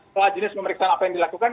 setelah jenis pemeriksaan apa yang dilakukan